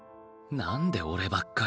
「何で俺ばっかり」